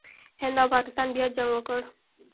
هند او پاکستان بیا جنګ وکړ.